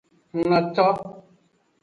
Hunnoto.